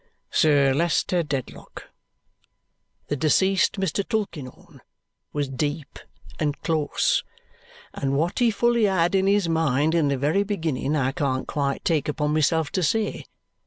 "Sir Leicester Dedlock, the deceased Mr. Tulkinghorn was deep and close, and what he fully had in his mind in the very beginning I can't quite take upon myself to say.